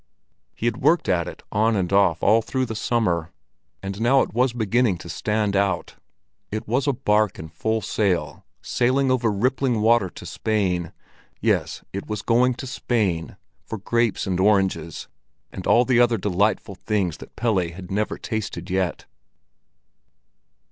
He had worked at it on and off all through the summer, and now it was beginning to stand out. It was a bark in full sail, sailing over rippling water to Spain—yes, it was going to Spain, for grapes and oranges, and all the other delightful things that Pelle had never tasted yet.